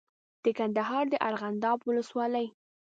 د کندهار د ارغنداب ولسوالۍ